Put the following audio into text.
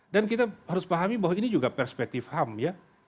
dan kita harus pahami bahwa ini juga perspektif ham ya